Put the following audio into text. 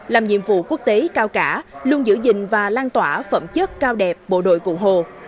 làm nhiệm vụ quốc tế cao cả luôn giữ gìn và lan tỏa phẩm chất cao đẹp bộ đội cụ hồ